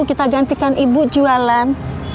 kita gantikan ibu jualan